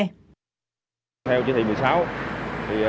theo chỉ thị một mươi sáu